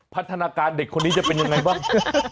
พัฒนาการเด็กคนนี้จะเป็นยังไงบ้าง